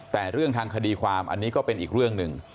แต่เรื่องทางคดีความอันนี้ก็เป็นอีกเรื่องหนึ่ง